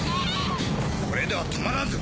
これでは止まらんぞ。